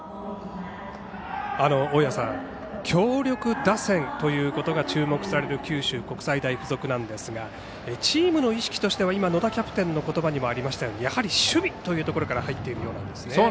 大矢さん強力打線ということが注目される九州国際大付属なんですがチームの意識としては今、野田キャプテンの言葉にもありましたようにやはり守備というところから入っているようなんですね。